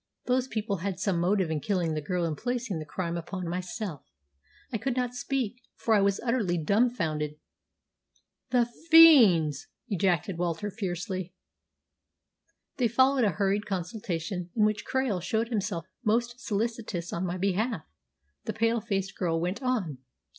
Those people had some motive in killing the girl and placing this crime upon myself! I could not speak, for I was too utterly dumfounded." "The fiends!" ejaculated Walter fiercely. "Then followed a hurried consultation, in which Krail showed himself most solicitous on my behalf," the pale faced girl went on.